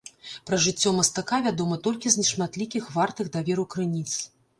Пра жыццё мастака вядома толькі з нешматлікіх вартых даверу крыніц.